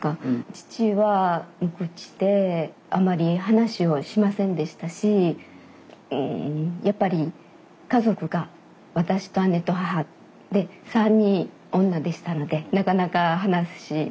父は無口であまり話をしませんでしたしやっぱり家族が私と姉と母で３人女でしたのでなかなか話もできませんでした。